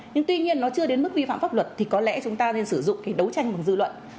nhưng tuy nhiên nó chưa đến mức vi phạm pháp luật thì có lẽ chúng ta nên sử dụng thì đấu tranh bằng dư luận